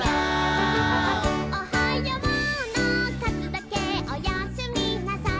「おはようのかずだけおやすみなさい」